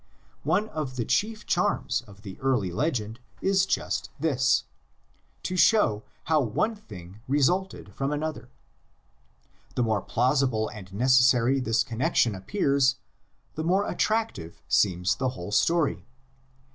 One of the chief charms of the early legend is just this: to show how one thing resulted from another. The more plausible and necessary this connexion appears, the more attractive seems the whole story.